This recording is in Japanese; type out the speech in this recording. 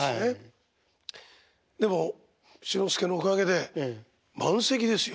でも志の輔のおかげで満席ですよ。